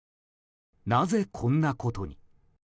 なぜ、こんなことに。